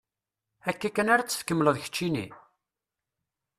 Akka kan ara tt-tkemmleḍ keččini?